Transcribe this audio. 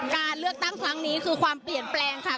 การเลือกตั้งครั้งนี้คือความเปลี่ยนแปลงค่ะ